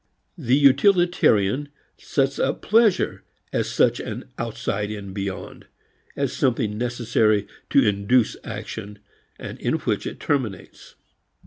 The utilitarian sets up pleasure as such an outside and beyond, as something necessary to induce action and in which it terminates.